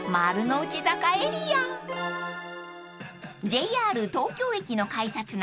［ＪＲ東京駅の改札内